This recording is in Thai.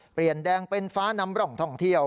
เปลี่ยนแดงเป็นฟ้านำร่องท่องเที่ยว